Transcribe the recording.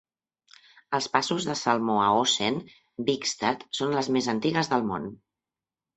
Els passos de salmó a Osen, Bygstad, són les més antigues del món.